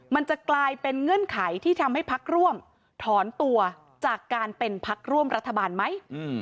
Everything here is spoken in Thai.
มันจะกลายเป็นเงื่อนไขที่ทำให้พักร่วมถอนตัวจากการเป็นพักร่วมรัฐบาลไหม